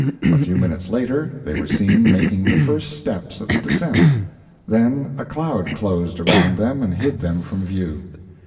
A few minutes later they were seen making the first steps of the descent; then a cloud closed around them and hid them from view.